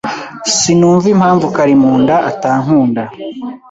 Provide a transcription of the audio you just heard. Sinumva impamvu Karimunda atankunda.